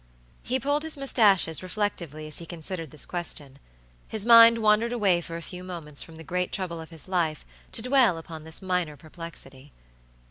He pulled his mustaches reflectively as he considered this question. His mind wandered away for a few moments from the great trouble of his life to dwell upon this minor perplexity.